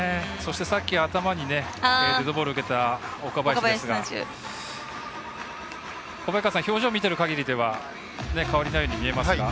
さっき頭にデッドボールを受けた岡林ですが、小早川さん表情を見ているかぎりでは変わりないように見えますが。